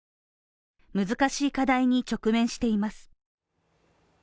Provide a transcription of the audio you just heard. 難しい課題に直面しています。